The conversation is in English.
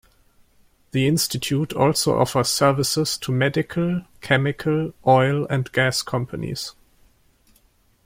The institute also offers services to medical, chemical, oil, and gas companies.